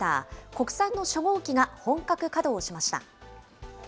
国産の初号機が本格稼働しました。